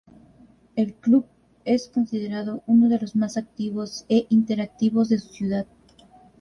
El club es considerado uno de los más activos e interactivos de su ciudad.